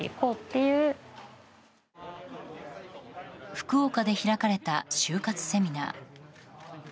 福岡で開かれた就活セミナー。